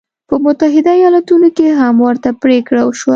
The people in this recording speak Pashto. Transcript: په متحده ایالتونو کې هم ورته پرېکړه وشوه.